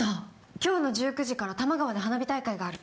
今日の１９時から多摩川で花火大会がある。